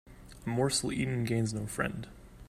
A morsel eaten gains no friend.